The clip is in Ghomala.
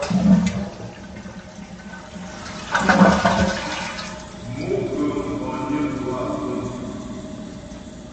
Mo ghə̀ hɔgnə lwâ bə̀m.